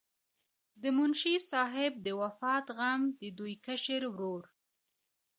د منشي صاحب د وفات غم د دوي کشر ورور